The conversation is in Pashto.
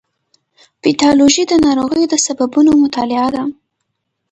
پیتالوژي د ناروغیو د سببونو مطالعه ده.